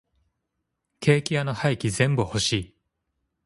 ケーキ屋の廃棄全部欲しい。